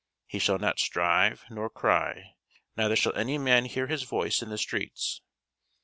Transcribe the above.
He shall not strive, nor cry; neither shall any man hear his voice in the streets.